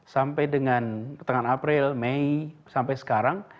sampai dengan pertengahan april may sampai sekarang